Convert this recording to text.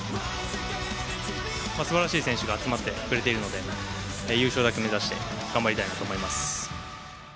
すばらしい選手が集まってくれているので、優勝だけ目指して頑張りたいなと思います。